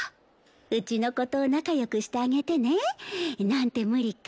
うちの子と仲良くしてあげてね。なんて無理か。